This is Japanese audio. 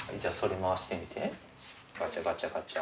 ガチャガチャガチャ。